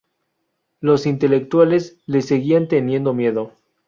Los intelectuales le seguían teniendo miedo.